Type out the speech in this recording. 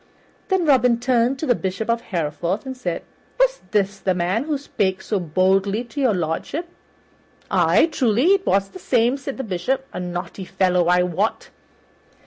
Then Robin turned to the Bishop of Hereford and said, "Was this the man who spake so boldly to Your Lordship?" "Ay, truly it was the same," said the Bishop, "a naughty fellow, I wot.